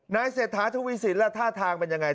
นายเศรษฐาทุวิสินและท่าทางเป็นอย่างไร